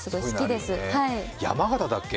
山形だっけ